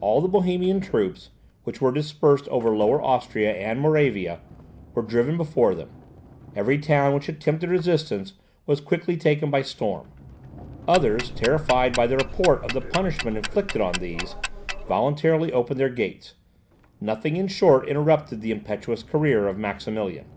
All the Bohemian troops, which were dispersed over Lower Austria and Moravia, were driven before them; every town which attempted resistance was quickly taken by storm; others, terrified by the report of the punishment inflicted on these, voluntarily opened their gates; nothing in short interrupted the impetuous career of Maximilian.